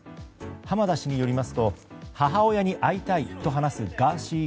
浜田氏によりますと母親に会いたいと話すガーシー